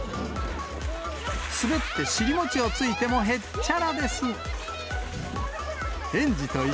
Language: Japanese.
滑って尻餅をついてもへっちゃらです。